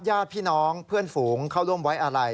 ญาติพี่น้องเพื่อนฝูงเข้าร่วมไว้อาลัย